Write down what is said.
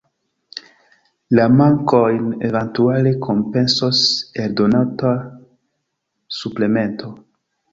La mankojn eventuale kompensos eldonota suplemento.